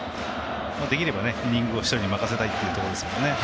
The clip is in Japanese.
できればイニングを１人に任せたいというところですからね。